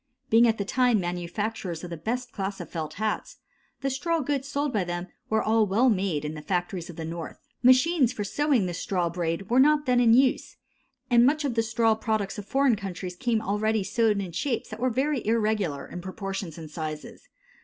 Being at that time manufacturers of the best class of felt hats, the straw goods sold by them were all made in the factories of the North. Machines for sewing the straw braid were not then in use, and much of the straw products of foreign countries came ready sewed in shapes that were very irregular in proportions and sizes.